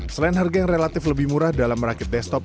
selain harga yang relatif lebih murah dalam merakit desktop